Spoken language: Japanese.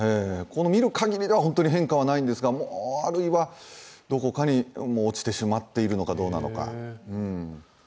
見るかぎりでは変化はないんですが、あるいは、どこかに落ちてしまっているのかどうなのか。